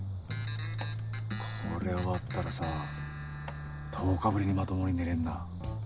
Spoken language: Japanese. これ終わったらさ１０日ぶりにまともに寝れんな。